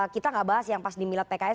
kita gak bahas yang pas dimilat pks